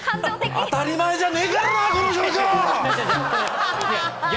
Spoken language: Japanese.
当たり前じゃねえからな、この状況！